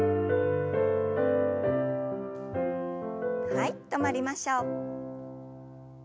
はい止まりましょう。